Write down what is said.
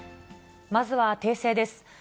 まずは訂正です。